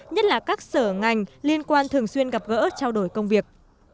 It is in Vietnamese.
nhất là các sở ngành liên quan thường xuyên gặp gỡ trao đổi công việc